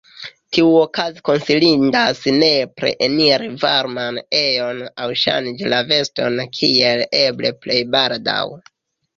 Tiuokaze konsilindas nepre eniri varman ejon aŭ ŝanĝi la vestojn kiel eble plej baldaŭ.